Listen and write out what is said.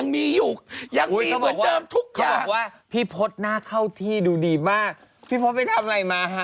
พี่โฟนไปทำอะไรมาฮ่า